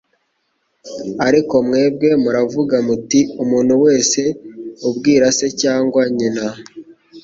Ariko mwebwe muravuga muti : Umuntu wese ubwira se cyangwa nyina